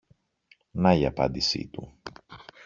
Να η απάντηση του!